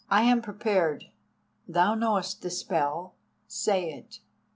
I am prepared—thou knowest the spell—say it."